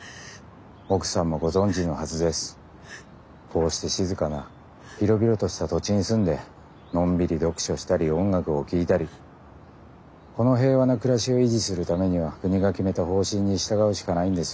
こうして静かな広々とした土地に住んでのんびり読書したり音楽を聴いたりこの平和な暮らしを維持するためには国が決めた方針に従うしかないんです。